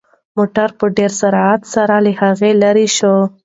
موټر په ډېر سرعت سره له هغه لرې شو.